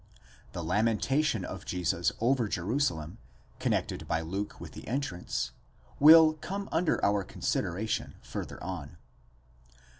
The lamentation of Jesus over Jeru salem, connected by Luke with the entrance, will come under our considera tion further on.